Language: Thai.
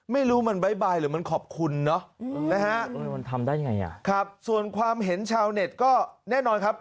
ไม่รู้มันบ๊ายบายหรือมันขอบคุณนะครับส่วนความเห็นชาวเน็ตก็แน่นอนครับ